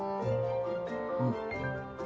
うん。